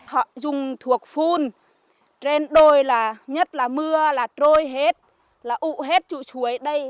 họ dùng thuộc phun trên đòi là nhất là mưa là trôi hết là ụ hết chụi suối đây